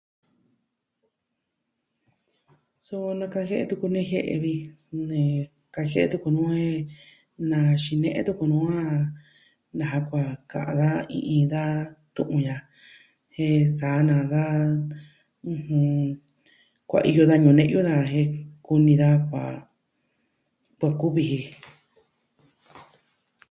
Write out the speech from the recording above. So nakajie'e tuku ni jie'e, suu, kajie'e tuku nu jen na xine'e tuku nu a naja kua'an ka'an daja iin da tu'un ya'a. Jen sa naa daa. Kuaiyo da ñuu ne'yu daja jen kunii daja kuaa, kuaa kuviji.